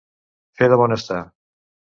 Fer de bon estar.